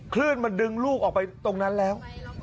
คลื่นมันดึงลูกออกไปตรงนั้นแล้ว